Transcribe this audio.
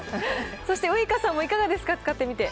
そしてウイカさんもいかがですか、使ってみて。